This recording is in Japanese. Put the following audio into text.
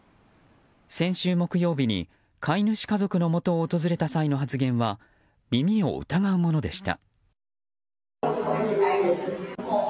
先週木曜日に飼い主家族のもとを訪れた際の発言は耳を疑うものでした。